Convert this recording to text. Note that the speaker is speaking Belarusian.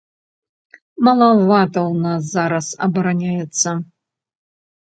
Малавата ў нас зараз абараняецца.